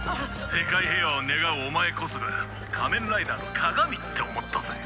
世界平和を願うお前こそが仮面ライダーのかがみって思ったぜ。